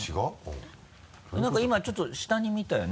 何か今ちょっと下に見たよね